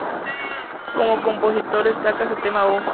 Como compositor destaca su tema "Oh!